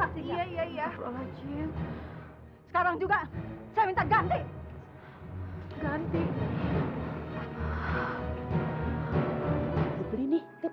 aisyah tahu itu bukan dari judi bu